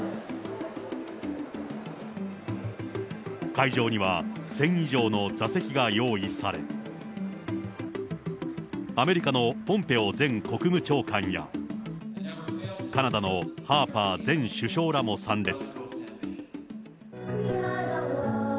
会場には１０００以上の座席が用意され、アメリカのポンペオ前国務長官や、カナダのハーバー前首相らも参列。